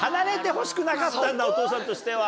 お父さんとしては。